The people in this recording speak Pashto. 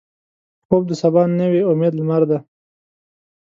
خوب د سبا نوې امیدي لمر دی